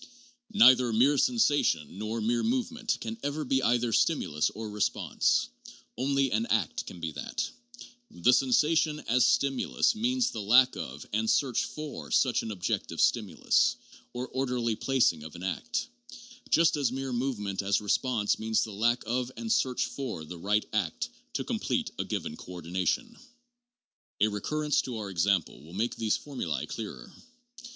Neither mere sensation, nor mere movement, can ever be either stimulus or response ; only an act can be that ; the sensation as stimulus means the lack of and search for such an objective stimulus, or orderly plac ing of an act ; just as mere movement as response means the lack of and search for the right act to complete a given coordination. A recurrence to our example will make these formulae clearer.